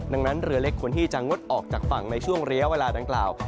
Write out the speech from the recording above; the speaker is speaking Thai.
ดังนั้นเรือเล็กควรที่จะงดออกจากฝั่งในช่วงระยะเวลาดังกล่าว